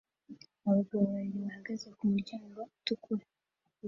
Abagabo babiri bahagaze ku muryango utukura